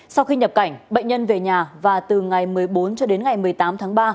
sau khi nhập cảnh bệnh nhân về nhà và từ ngày một mươi bốn cho đến ngày một mươi tám tháng ba